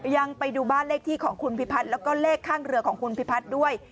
ยังไปดูบ้านเลขที่ของคุณพิพัฒน์แล้วก็เลขข้างเรือของคุณพิพัฒน์ด้วย